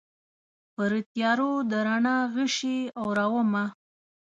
پرتیارو د رڼا غشي اورومه